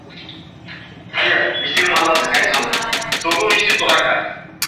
চাপকে কীভাবে সামলাতে হয়, কীভাবে স্নায়ু ধরে রাখতে হয়, সেসবও হয়তো বলেছেন।